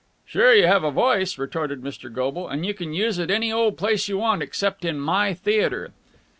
"Sure you have a voice," retorted Mr. Goble, "and you can use it any old place you want, except in my theatre.